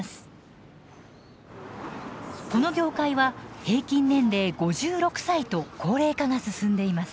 この業界は平均年齢５６歳と高齢化が進んでいます。